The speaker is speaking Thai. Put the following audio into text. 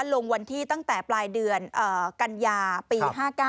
ลงวันที่ตั้งแต่ปลายเดือนกันยาปี๕๙